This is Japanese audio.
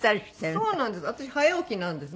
そうなんです。